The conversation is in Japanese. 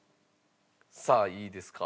さあいいですか？